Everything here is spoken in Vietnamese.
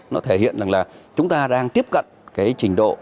nó thể hiện rằng là chúng ta đang tiếp cận cái trình độ